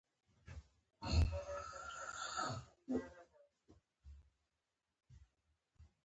خو پخپله یې کمه تلي.